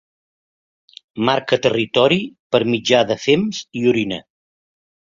Marca territori per mitjà de fems i orina.